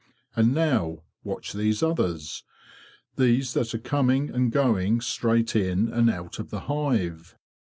And now watch these others—these that are coming and going straight in and out of the hive."